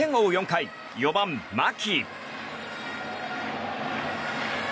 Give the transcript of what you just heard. ４回４番、牧。